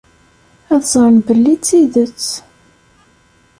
Ad ẓren belli d tidet.